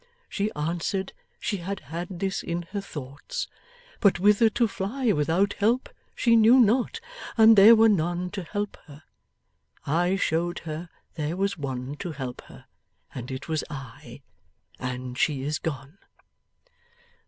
She answered, she had had this in her thoughts; but whither to fly without help she knew not, and there were none to help her. I showed her there was one to help her, and it was I. And she is gone.